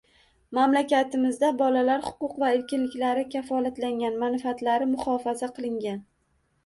Mamlakatimizda bolalar huquq va erkinliklari kafolatlangan, manfaatlari muhofaza qilingan